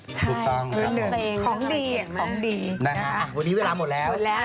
ใช่มือหนึ่งของดีของดีนะคะวันนี้เวลาหมดแล้ว